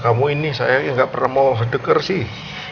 kamu ini sayangnya gak pernah mau sedeker sih